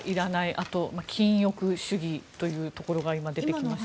あとは禁欲主義というところが今出てきましたが。